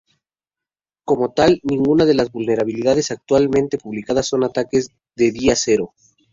Como tal, ninguna de las vulnerabilidades actualmente publicadas son ataques de día cero.